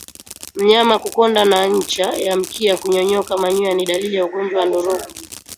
Mnyama kukonda na ncha ya mkia kunyonyoka manyoya ni dalili ya ugonjwa wa ndorobo